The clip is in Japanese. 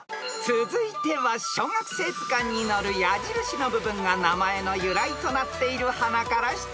［続いては小学生図鑑に載る矢印の部分が名前の由来となっている花から出題］